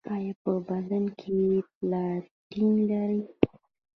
ایا په بدن کې پلاتین لرئ؟